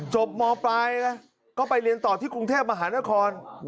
มปลายก็ไปเรียนต่อที่กรุงเทพมหานคร